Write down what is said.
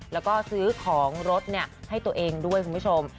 แล้วก็ซื้อของรถให้ตัวเองด้วยคุณผู้ชม